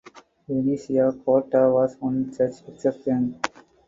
Venetia Kotta was one such exception.